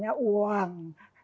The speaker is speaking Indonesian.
saya ga tau kebenarannya